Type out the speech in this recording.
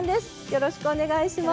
よろしくお願いします。